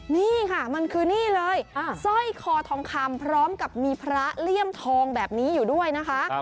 นี่ค่ะมันคือนี่เลยสร้อยคอทองคำพร้อมกับมีพระเลี่ยมทองแบบนี้อยู่ด้วยนะคะ